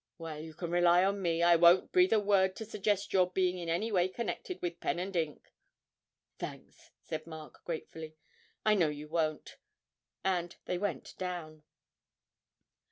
Well, you can rely on me I won't breathe a word to suggest your being in any way connected with pen and ink.' 'Thanks,' said Mark, gratefully; 'I know you won't,' and they went down.